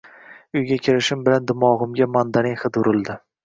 Uyga kirishim bilan dimog`imga mandarin hidi urildi